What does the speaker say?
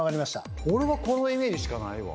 俺はこのイメージしかないわ。